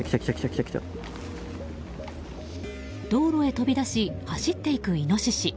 道路へ飛び出し走っていくイノシシ。